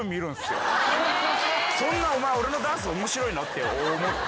そんなお前俺のダンス面白いの？って思って。